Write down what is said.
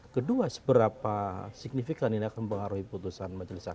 kedua seberapa signifikan ini akan mempengaruhi putusan majelis hakim